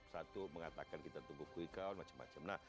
satu mengatakan kita tunggu quick count macam macam